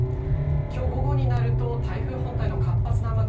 今日午後になると台風本体の活発な雨雲